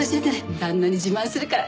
旦那に自慢するから。